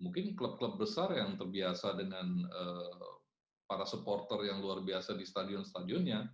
mungkin klub klub besar yang terbiasa dengan para supporter yang luar biasa di stadion stadionnya